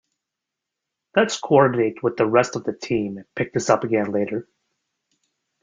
Let's coordinate with the rest of the team and pick this up again later.